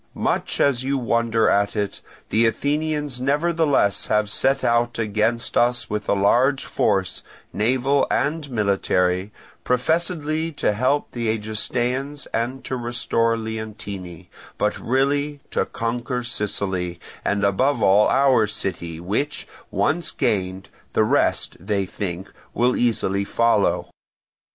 Much as you wonder at it, the Athenians nevertheless have set out against us with a large force, naval and military, professedly to help the Egestaeans and to restore Leontini, but really to conquer Sicily, and above all our city, which once gained, the rest, they think, will easily follow.